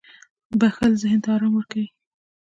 • بښل ذهن ته آرام ورکوي.